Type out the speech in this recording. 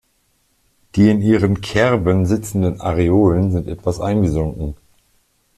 Die in ihren Kerben sitzenden Areolen sind etwas eingesunken.